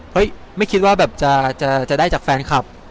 ไม่คิดว่าแบบจะได้จากแฟนคลับ